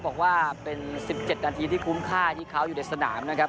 บอกว่าเป็น๑๗นาทีที่คุ้มค่าที่เขาอยู่ในสนามนะครับ